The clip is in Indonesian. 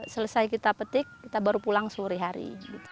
selesai kita petik kita baru pulang sore hari